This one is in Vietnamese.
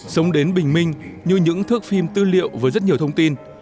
sống đến bình minh như những thước phim tư liệu với rất nhiều thông tin